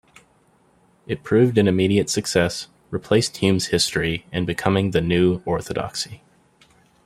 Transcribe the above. It proved an immediate success, replaced Hume's history and becoming the new orthodoxy.